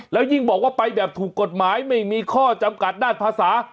แล้วยิ่งบอกว่าไปแบบถูกกฎหมายไม่มีข้อจำกัดด้านภาษา